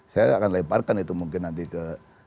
saya akan lemparkan itu mungkin nanti ke